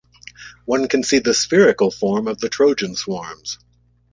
One can see the spherical form of the Trojan swarms.